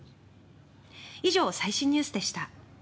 以上、最新ニュースでした。